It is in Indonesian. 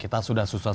ya udah oh